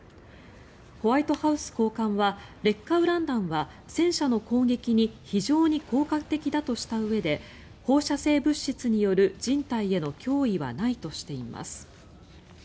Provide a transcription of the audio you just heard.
ホワイトハウス高官は劣化ウラン弾は戦車の攻撃に非常に効果的だとしたうえで放射性物質による人体への脅威はないとしています。